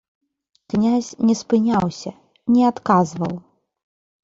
Князь не спыняўся, не адказваў.